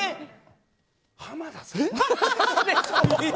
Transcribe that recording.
浜田さん。